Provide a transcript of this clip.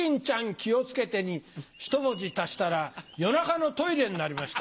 気をつけて』にひと文字足したら夜中のトイレになりました。